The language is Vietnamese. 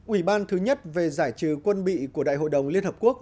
ủy ban thứ nhất về giải trừ quân bị của đại hội đồng liên hợp quốc